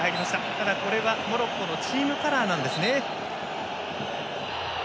ただこれはモロッコのチームカラーなんですね。